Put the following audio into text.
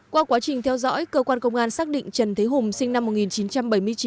qua quá trình theo dõi cơ quan công an xác định trần thế hùng sinh năm một nghìn chín trăm bảy mươi chín